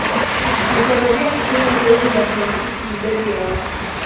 natarajia kufanya zoezi la kuhakiki idadi ya watu